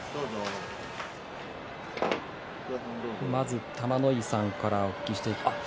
まず、玉ノ井さんからお聞きしていきます。